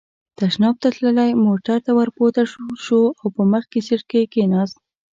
تشناب ته تللی، موټر ته ور پورته شو او په مخکې سېټ کې کېناست.